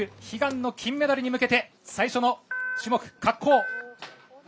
悲願の金メダルに向けて最初の種目、滑降。